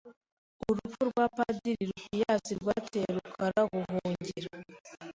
Urupfu rwa Padiri Rupiyasi rwateye Rukara guhungira